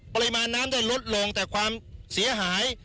ปริมาณน้ำได้ลดลงแต่ความเสียหาย